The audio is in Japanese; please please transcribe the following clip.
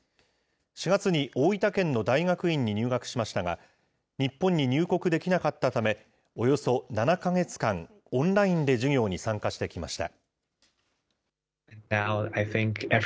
４月に大分県の大学院に入学しましたが、日本に入国できなかったため、およそ７か月間、オンラインで授業に参加してきました。